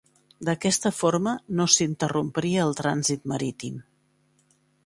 D'aquesta forma no s'interrompria el trànsit marítim.